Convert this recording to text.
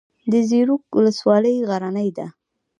د زیروک ولسوالۍ غرنۍ ده